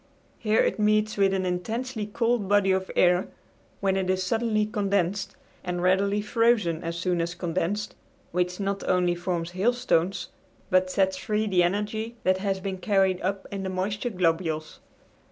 Here it meets with an intensely cold body of air, when it is suddenly condensed and readily frozen as soon as condensed, which not only forms hailstones, but sets free the energy that has been carried up in the moisture globules.